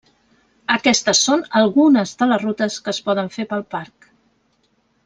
Aquestes són algunes de les rutes que es poden fer pel parc.